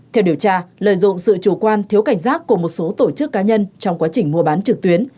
theo điều tra lợi dụng sự chủ quan thiếu cảnh giác của một số tổ chức cá nhân trong quá trình mua bán trực tuyến